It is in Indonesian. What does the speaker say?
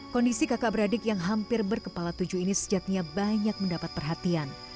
kondisi kakak beradik yang hampir berkepala tujuh ini sejatinya banyak mendapat perhatian